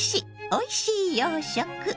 おいしい洋食」。